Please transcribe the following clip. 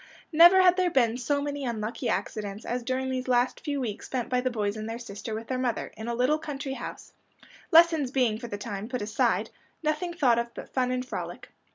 Never had there been so many unlucky accidents as during these last few weeks spent by the boys and their sister with their mother, in a little country house, lessons being for the time put aside, nothing thought of but fun and frolic.